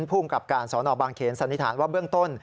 ภูมิกับการสนบางเขนสันนิษฐานว่าเบื้องต้น